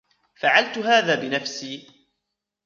فعلت هذا بنفسي.